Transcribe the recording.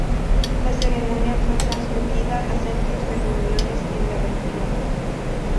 La ceremonia fue transmitida a centros de reuniones en la región.